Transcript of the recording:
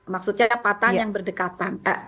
maksudnya patahan yang berdekatan